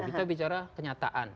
kita bicara kenyataan